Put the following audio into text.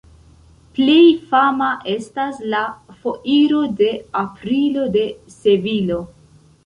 Plej fama estas la Foiro de Aprilo de Sevilo.